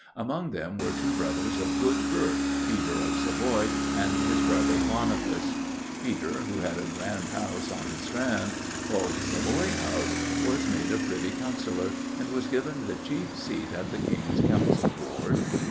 Among them were two brothers of good birth, Peter of Savoy and his brother Boniface. Peter, who had a grand house in the Strand, called Savoy House, was made a Privy Councillor, and was given the chief seat at the King's Council Board.